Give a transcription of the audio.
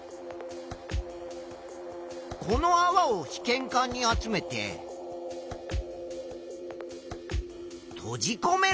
このあわを試験管に集めてとじこめる。